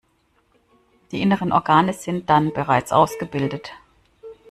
Die inneren Organe sind dann bereits ausgebildet.